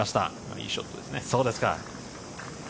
いいショットですね。